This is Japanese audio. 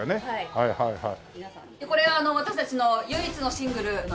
はいはいはい。